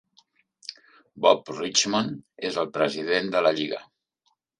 Bob Richmond és el president de la Lliga.